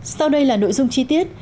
sau đây là nội dung chi tiết